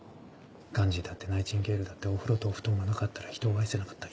ガンジーだってナイチンゲールだってお風呂とお布団がなかったら人を愛せなかった。